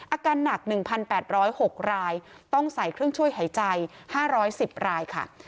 อาการหนัก๑๘๐๖รายต้องใส่เครื่องช่วยหายใจ๕๑๐รายค่ะ